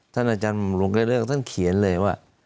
ท่านอาจารย์บำรุงกระเลือกท่านเขียนเลยว่า